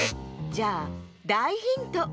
じゃあだいヒント。